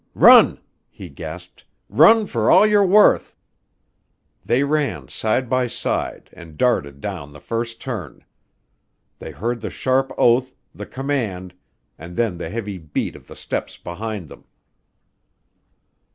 "Run," he gasped, "run for all you're worth!" They ran side by side and darted down the first turn. They heard the sharp oath, the command, and then the heavy beat of the steps behind them.